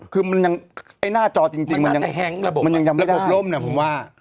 คือมันยังไอ้หน้าจอจริงมันยังไม่ได้